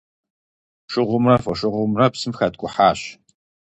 Шыгъумрэ фошыгъумрэ псым хэткӀухьащ.